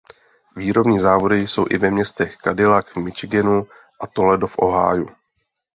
Výrobní závody jsou i v městech Cadillac v Michiganu a Toledo v Ohiu.